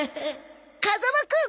風間くん